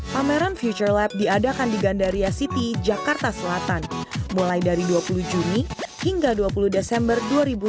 pameran future lab diadakan di gandaria city jakarta selatan mulai dari dua puluh juni hingga dua puluh desember dua ribu dua puluh